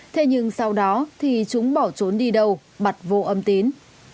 thế nhưng sau đó thì chúng bỏ trốn đi đâu bật vô âm tín